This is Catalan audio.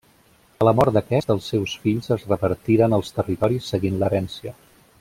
A la mort d'aquest els seus fills es repartiren els territoris seguint l'herència.